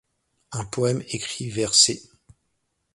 Un poème écrit vers c.